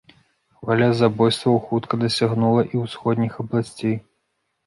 Хваля забойстваў хутка дасягнула і ўсходніх абласцей.